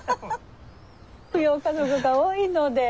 扶養家族が多いので。